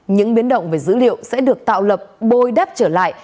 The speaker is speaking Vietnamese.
những biến động về dữ liệu sẽ được tạo lập bôi đáp trở lại